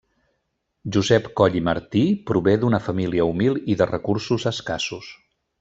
Josep Coll i Martí, prové d'una família humil i de recursos escassos.